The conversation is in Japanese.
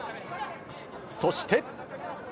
そして。